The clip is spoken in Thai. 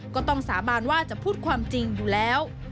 ก็ต้องสาบานว่าจะพูดความจริงอยู่แล้ว